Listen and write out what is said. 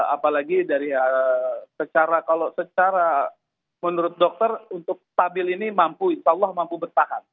apalagi dari secara kalau secara menurut dokter untuk stabil ini mampu insya allah mampu bertahan